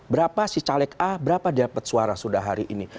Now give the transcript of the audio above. berapa si caleg a berapa dia dapat suara sudah hari ini